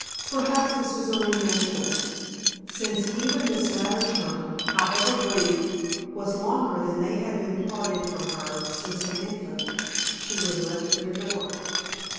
Perhaps this was only natural, since even this latter term, however brief, was longer than they had been parted from her since, an infant, she was left at their door.